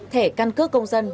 thẻ căn cước công dân